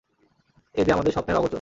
এ যে আমাদের স্বপ্নের আগোচর!